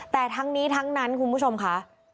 แต่ทั้งนี้ทั้งนั้นคุณผู้ชมค่ะ